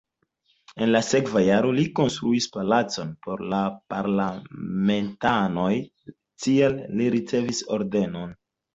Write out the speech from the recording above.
En la sekva jaro li konstruis palacon por parlamentanoj, tial li ricevis ordenon.